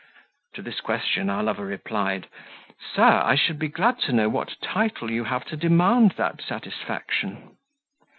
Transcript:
To this question our lover replied, "Sir, I should be glad to know what title you have to demand that satisfaction?"